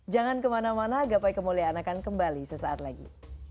jangan kemana mana gapai kemuliaan akan kembali sesaat lagi